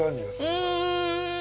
うん！